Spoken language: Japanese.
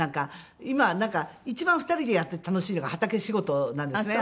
今一番２人でやってて楽しいのが畑仕事なんですね。